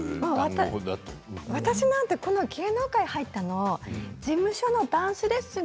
私なんてこの芸能界に入ったの事務所のダンスレッスン